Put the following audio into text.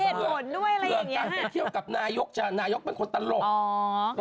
เรื่องการไปเที่ยวกับนายกนายกเป็นคนตลก